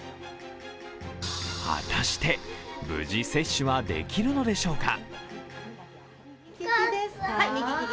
果たして無事接種はできるのでしょうか。